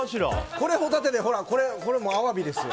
これ、ホタテでこれはアワビですよ。